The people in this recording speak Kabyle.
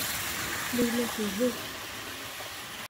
Layla tudef.